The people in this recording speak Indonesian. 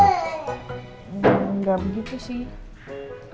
enggak begitu sih